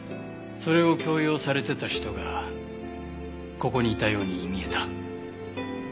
それを強要されてた人がここにいたように見えた？